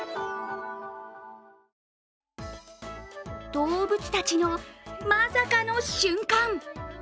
動物たちの、まさかの瞬間。